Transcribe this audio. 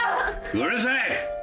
うるさい！